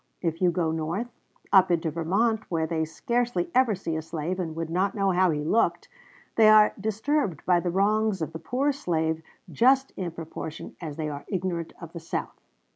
If you go North, up into Vermont where they scarcely ever see a slave and would not know how he looked, they are disturbed by the wrongs of the poor slave just in proportion as they are ignorant of the South.